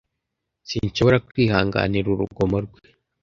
Sinshobora kwihanganira urugomo rwe.